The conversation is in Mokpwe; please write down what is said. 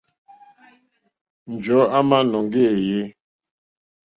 Njɔ̀ɔ́ àmǎnɔ́ŋgɛ̄ éèyé.